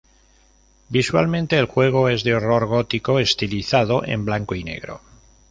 Visualmente el juego es de horror gótico estilizado en blanco y negro.